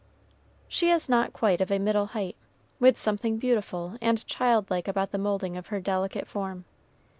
She is not quite of a middle height, with something beautiful and child like about the moulding of her delicate form.